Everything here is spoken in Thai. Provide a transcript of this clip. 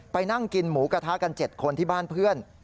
นั่งกินหมูกระทะกัน๗คนที่บ้านเพื่อน